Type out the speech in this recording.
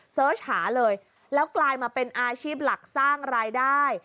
เสิร์ชหาเลยแล้วกลายมาเป็นอาชีพหลักสร้างรายได้